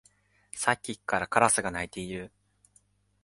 さっきからカラスが鳴いている